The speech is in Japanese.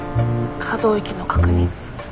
可動域の確認。